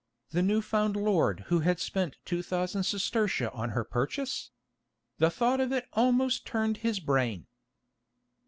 The new found lord who had spent two thousand sestertia on her purchase? The thought of it almost turned his brain.